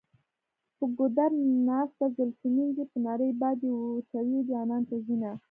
په ګودر ناسته زلفې مینځي په نري باد یې وچوي جانان ته ځینه.